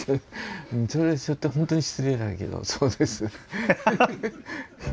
それちょっと本当に失礼だけどそうです。